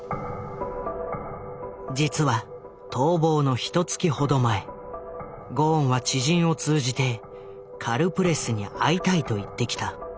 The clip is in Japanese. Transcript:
実は逃亡のひとつきほど前ゴーンは知人を通じてカルプレスに会いたいと言ってきた。